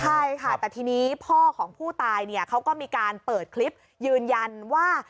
ใช่ค่ะแต่ทีนี้พ่อของผู้ตายเนี่ยเขาก็มีการเปิดคลิปยืนยันว่า